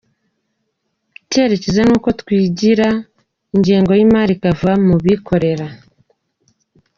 Icyerecyezo ni uko twigira, ingengo y’imari ikava mu bikorera.